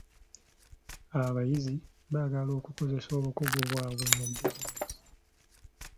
Abayizi baagala okukozesa obukugu bwabwe mu bizinensi.